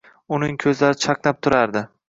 Uning ko‘zlari chaqnab turardi.